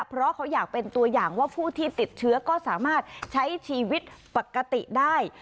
เพราะเขาอยากเป็นตัวอย่างว่าผู้ที่ติดเชื้อก็สามารถใช้ชีวิตปกติได้